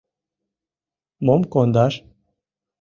Мом кондаш?